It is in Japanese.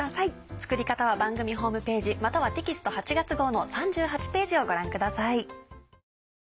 作り方は番組ホームページまたはテキスト８月号の３８ページをご覧ください。